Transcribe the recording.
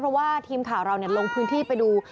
เพราะว่าทีมข่าวเราลงพื้นที่ไปดู